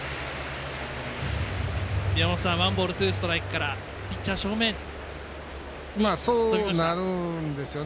ワンボール、ツーストライクからピッチャー正面となりました。